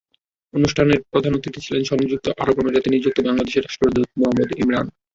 অনুষ্ঠানে প্রধান অতিথি ছিলেন সংযুক্ত আরব আমিরাতে নিযুক্ত বাংলাদেশের রাষ্ট্রদূত মোহাম্মদ ইমরান।